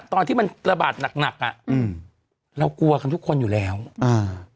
ตอนที่มันระบาดหนักหนักอ่ะอืมเรากลัวกันทุกคนอยู่แล้วอ่า